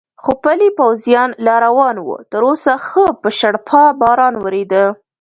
خو پلی پوځیان لا روان و، تراوسه ښه په شړپا باران ورېده.